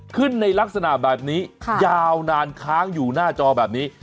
ในลักษณะแบบนี้ยาวนานค้างอยู่หน้าจอแบบนี้